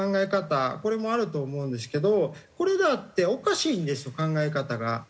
これもあると思うんですけどこれだっておかしいんですよ考え方が。